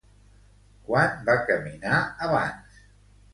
Quant va caminar abans?